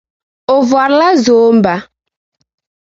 O vɔri la zoomba.